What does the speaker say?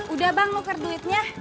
udah bang luker duitnya